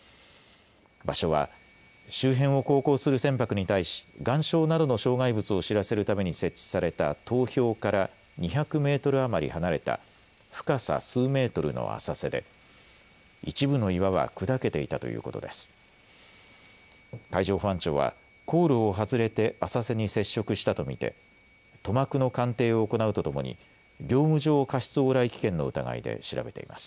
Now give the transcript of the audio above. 場所は周辺を航行する船舶に対し岩礁などの障害物を知らせるために設置された灯標から２００メートル余り離れた深さ数メートルの浅瀬で一部の岩は砕けていたということです。